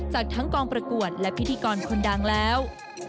จากทั้งกองประกวดและพิธีกรคนดังแล้ว